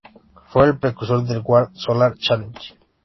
Fue el precursor del "World Solar Challenge".